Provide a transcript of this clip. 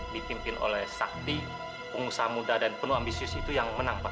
dipimpin oleh sakti pengusaha muda dan penuh ambisius itu yang menang pak